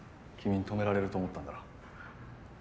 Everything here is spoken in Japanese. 君に止められると思ったんだろう。